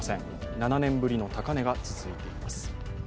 ７年ぶりの高値が続いています。